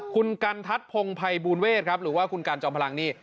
คุณกันทัศน์พงภัยบูลเวทครับหรือว่าคุณกันจอมพลังนี่